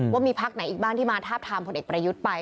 ว่ามีพักไหนอีกบ้างที่มาทาบทามผลเอกประยุทธ์ไป